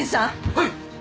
はい！